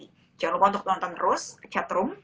jangan lupa untuk nonton terus chat room